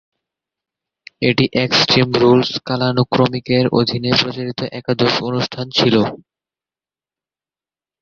এটি extreme rules কালানুক্রমিকের অধীনে প্রচারিত একাদশ অনুষ্ঠান ছিল।